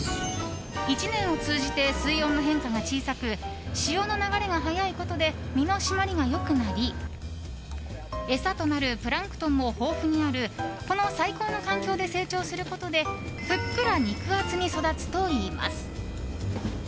１年を通じて水温の変化が小さく潮の流れが速いことで身の締まりが良くなり餌となるプランクトンも豊富にあるこの最高の環境で成長することでふっくら肉厚に育つといいます。